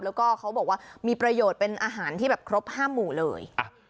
แล้วก็เขาบอกว่ามีประโยชน์เป็นอาหารที่แบบครบ๕หมู่เลย